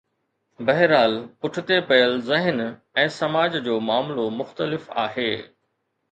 بهرحال پٺتي پيل ذهن ۽ سماج جو معاملو مختلف آهي.